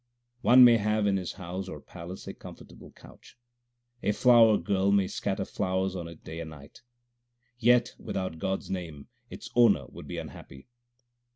One may have in his house or palace a comfortable couch ; A flower girl may scatter flowers on it day and night, Yet without God s name its owner would be unhappy.